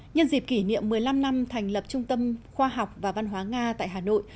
nhân dịp kỷ niệm một mươi năm năm thành lập trung tâm khoa học và văn hóa nga tại hà nội